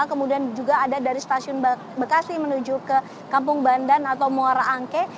kemudian juga ada dari stasiun bekasi menuju ke kampung bandan atau muara angke